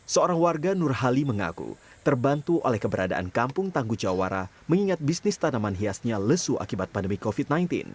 seorang warga nurhali mengaku terbantu oleh keberadaan kampung tangguh jawara mengingat bisnis tanaman hiasnya lesu akibat pandemi covid sembilan belas